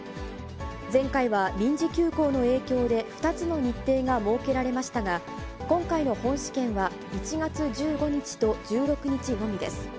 前回は臨時休校の影響で２つの日程が設けられましたが、今回の本試験は１月１５日と１６日のみです。